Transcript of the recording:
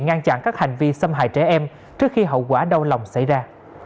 ngăn chặn các hành vi xâm hại trẻ em trước khi hậu quả đau lòng xảy ra